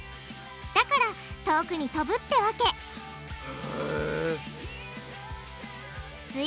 だから遠くに飛ぶってわけす